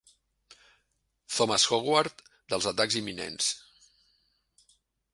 Thomas Howard dels atacs imminents.